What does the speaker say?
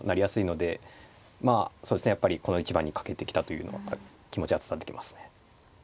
やっぱりこの一番にかけてきたというのがやっぱり気持ちは伝わってきますね。